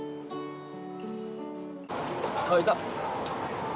あっいた。